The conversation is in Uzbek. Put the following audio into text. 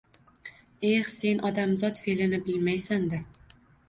Eh sen odamzot fe’lini bilmaysan-da.